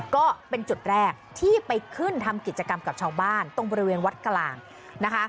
ก็เป็นจุดแรกที่ไปขึ้นทำกิจกรรมกับชาวบ้านตรงบริเวณวัดกลางนะคะ